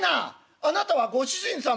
あなたはご主人様。